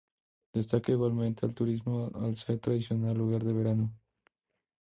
Destaca igualmente el turismo, al ser tradicional lugar de veraneo.